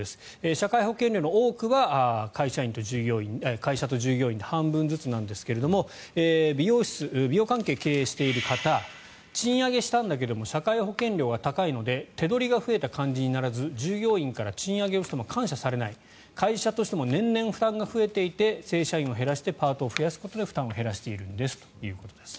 社会保険料の多くは会社と従業員で半分ずつなんですが美容関係を経営している方賃上げしたんだけど社会保険料が高いので手取りが増えた感じにならず従業員から賃上げをしても感謝されない会社としても年々負担が増えていて正社員を減らしてパートを増やすことで、負担を減らしているんですということです。